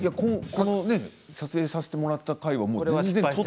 撮影させてもらった回は全然。